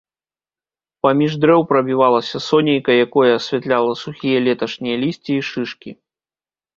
Паміж дрэў прабівалася сонейка, якое асвятляла сухія леташнія лісці і шышкі.